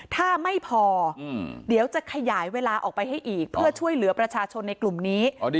ถ้าไม่พอเดี๋ยวจะขยายเวลาออกไปให้อีกเพื่อช่วยเหลือประชาชนในกลุ่มนี้